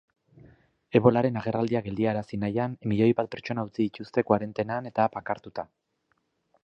Ebolaren agerraldia geldiarazi nahian, milioi bat pertsona utzi dituzte koarentenan eta bakartuta.